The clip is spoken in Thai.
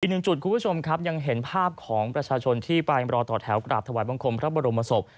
หนึ่งจุดคุณผู้ชมครับยังเห็นภาพของประชาชนที่ไปรอต่อแถวกราบถวายบังคมพระบรมศพ